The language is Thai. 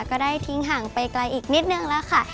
ก็ได้ทิ้งห่างไปไกลอีกนิดนึงแล้วค่ะ